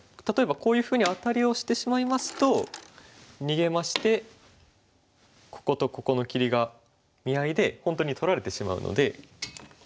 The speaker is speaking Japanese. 例えばこういうふうにアタリをしてしまいますと逃げましてこことここの切りが見合いで本当に取られてしまうので。